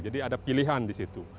jadi ada pilihan di situ